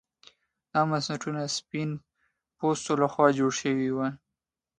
دا بنسټونه د سپین پوستو لخوا جوړ شوي وو.